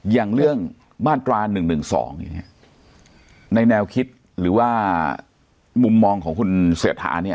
อย่างเรื่องมาตรา๑๑๒อย่างนี้ในแนวคิดหรือว่ามุมมองของคุณเศรษฐาเนี่ย